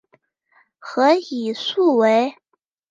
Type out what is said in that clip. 何以速为。